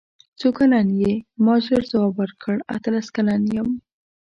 څو کلن یې ما ژر ځواب ورکړ اتلس کلن یم.